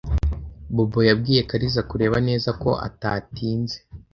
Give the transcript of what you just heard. Bobo yabwiye Kariza kureba neza ko atatinze.